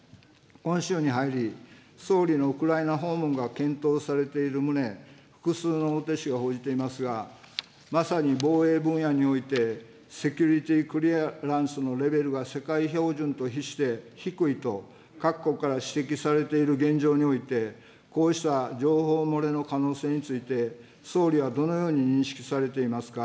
今週に入り、総理のウクライナ訪問が検討されている旨、複数の大手紙が報じていますが、まさに防衛分野においてセキュリティ・クリアランスのレベルが世界標準と比して低いと各国から指摘されている現状において、こうした情報漏れの可能性について、総理はどのように認識されていますか。